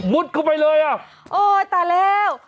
เข้าไปเลยอ่ะโอ้ยตายแล้ว